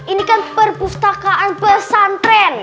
ini kan perpustakaan pesantren